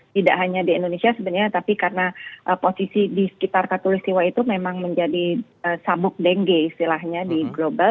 tidak hanya di indonesia sebenarnya tapi karena posisi di sekitar katolistiwa itu memang menjadi sabuk dengue istilahnya di global